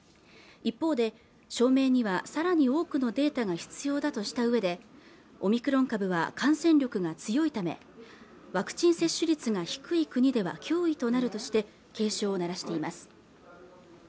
一方で証明にはさらに多くのデータが必要だとしたうえでオミクロン株は感染力が強いためワクチン接種率が低い国では脅威となるとして警鐘を鳴らしています